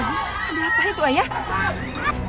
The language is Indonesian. ada apa itu ayah